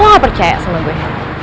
lu gak percaya sama gue